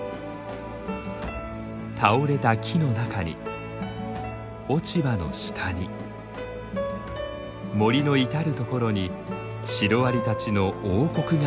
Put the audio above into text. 倒れた木の中に落ち葉の下に森の至る所にシロアリたちの王国がありました。